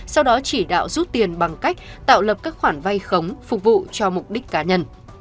sau đó chỉ đạo rút tiền bằng cách tạo lập các khoản vay khống phục vụ cho mục đích cá nhân